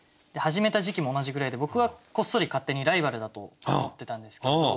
始めた時期も同じぐらいで僕はこっそり勝手にライバルだと思ってたんですけど。